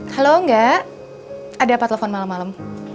halo enggak ada telepon malam malam